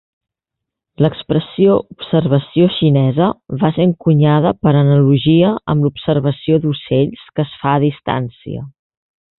L"expressió "observació xinesa" va ser encunyada per analogia amb l"observació d"ocells, que es fa a distància.